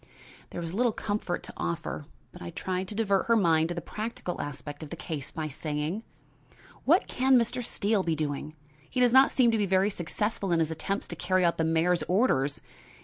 There was little comfort to offer, but I tried to divert her mind to the practical aspect of the case by saying: "What can Mr. Steele be doing? He does not seem to be very successful in his attempts to carry out the mayor's orders.